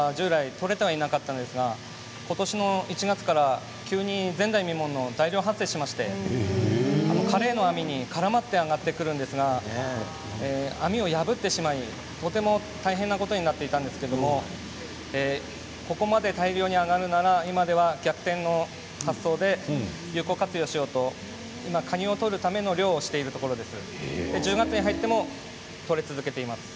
浦河の沖では従来取れてはいなかったんですが今年の１月から前代未聞の大量発生しましてカレイの網に絡まって揚がってくるんですが網を破ってしまい、とても大変なことになっていたんですけどもここまで大量に揚がるなら今では逆転の発想で有効活用しようとカニを取るための漁をしているところです。